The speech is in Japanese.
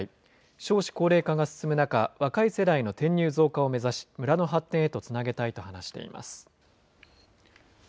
少子高齢化が進む中、若い世代の転入増加を目指し、村の発展へとつなげたいと話しています。